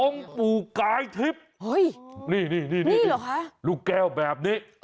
องค์ปู่กายทิพย์นี่ลูกแก้วแบบนี้